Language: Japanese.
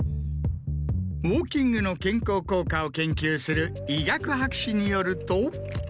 ウォーキングの健康効果を研究する医学博士によると。